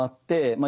まあ